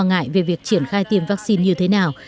chúng tôi rất lo ngại về việc triển khai tiêm vắc xin như thế nào